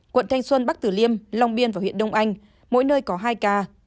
quận thanh xuân bắc tử liêm long biên và huyện đông anh mỗi nơi có hai ca